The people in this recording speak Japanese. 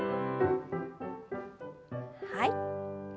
はい。